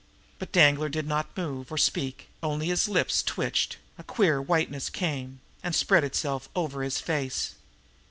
But Danglar did not move or speak; only his lips twitched, and a queer whiteness came and spread itself over his face.